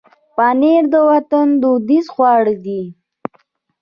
پنېر د وطن دودیز خواړه دي.